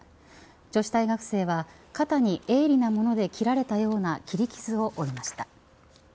女子大学生は肩に鋭利なもので切られたような切り傷を負いました。